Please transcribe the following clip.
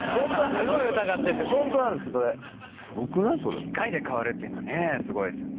１回で変わるっていうのはねすごいですよね。